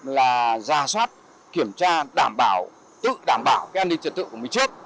là ra soát kiểm tra đảm bảo tự đảm bảo cái an ninh trật tự của mình trước